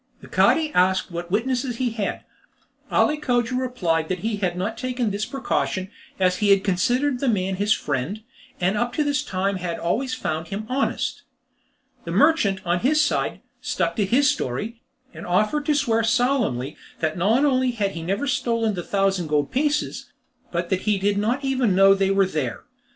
The Cadi asked what witnesses he had. Ali Cogia replied that he had not taken this precaution, as he had considered the man his friend, and up to that time had always found him honest. The merchant, on his side, stuck to his story, and offered to swear solemnly that not only had he never stolen the thousand gold pieces, but that he did not even know they were there.